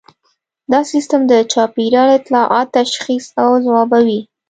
دا سیستم د چاپیریال اطلاعات تشخیص او ځوابوي